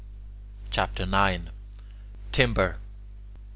CHAPTER IX TIMBER 1.